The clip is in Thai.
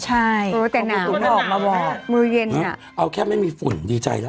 ใช่เออแต่หนาวมือเย็นอ่ะเอาแค่ไม่มีฝุ่นดีใจแล้ว